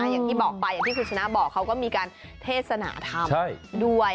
อย่างที่บอกไปอย่างที่คุณชนะบอกเขาก็มีการเทศนาธรรมด้วย